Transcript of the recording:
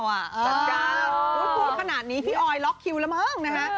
จัดกาล๑๖๐๕พี่ออยล็อกคิวแล้วเหมือนกัน